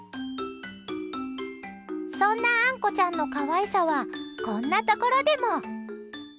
そんな、あんこちゃんの可愛さはこんなところでも。